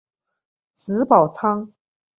子宝昌。